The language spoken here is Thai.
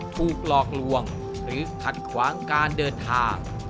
ถูกหลอกลวงหรือขัดขวางการเดินทาง